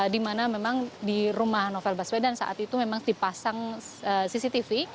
di mana memang di rumah novel baswedan saat itu memang dipasang cctv